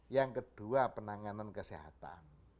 yang kedua penanganan kesehatan